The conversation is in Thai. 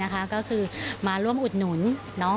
ก็คือมาร่วมอุดหนุน